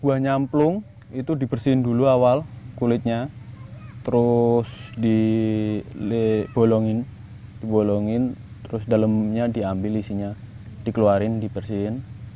buah nyamplung itu dibersihin dulu awal kulitnya terus dibolongin dibolongin terus dalamnya diambil isinya dikeluarin dibersihin